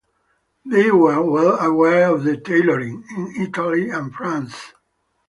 They were well aware of the tailoring in Italy and France.